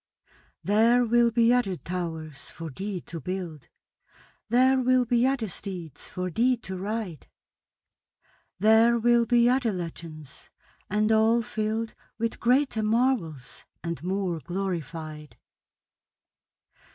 There will be other towers for thee to build; There will be other steeds for thee to ride; There will be other legends, and all filled With greater marvels and more glorified.